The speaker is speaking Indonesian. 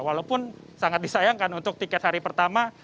walaupun sangat disayangkan untuk tiket hari pertama